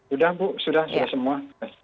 udah bu sudah sudah semua